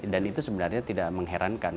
dan itu sebenarnya tidak mengherankan